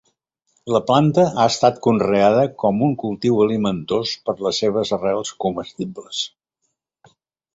La planta ha estat conreada com un cultiu alimentós per les seves arrels comestibles.